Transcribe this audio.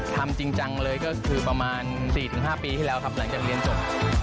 ทำจริงจังเลยก็คือประมาณ๔๕ปีที่แล้วครับหลังจากเรียนจบ